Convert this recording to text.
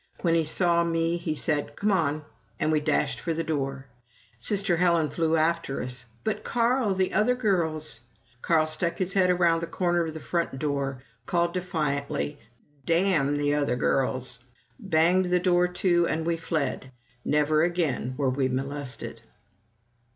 When he saw me he said, "Come on!" and we dashed for the door. Sister Helen flew after us. "But Carl the other girls!" Carl stuck his head around the corner of the front door, called defiantly, "Damn the other girls!" banged the door to, and we fled. Never again were we molested.